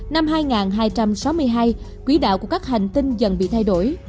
năm hai nghìn hai trăm sáu mươi hai quỹ đạo của các hành tinh dần bị thay đổi